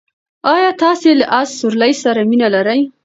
ایا تاسې له اس سورلۍ سره مینه لرئ؟